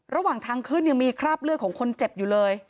ระหว่างทางขึ้นยังมีคราบเลือดของคนเจ็บอยู่เลย